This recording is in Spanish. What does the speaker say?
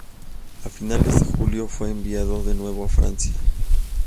A finales de julio fue enviado de nuevo a Francia.